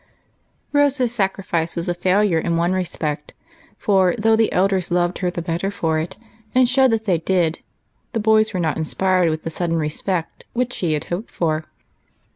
ROSE'S sacrifice was a failure in one respect, for, though the elders loved her the better for it, and showed that they did, the boys were not inspired with the sudden respect which she had hoped for.